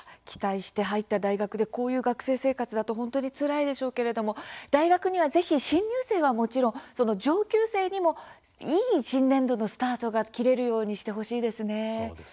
期待して入った大学でこういう学生生活だと本当につらいでしょうけれども大学には、ぜひ新入生はもちろん上級生にもいい新年度のスタートがそうですね。